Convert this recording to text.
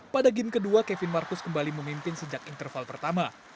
pada game kedua kevin marcus kembali memimpin sejak interval pertama